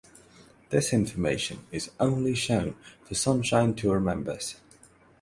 This information is only shown for Sunshine Tour members.